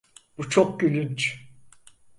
Bu çok gülünç.